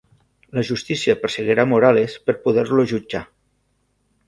La justícia perseguirà a Morales per poder-lo jutjar